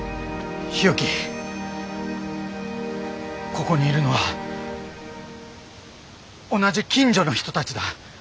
ここにいるのは同じ近所の人たちだ。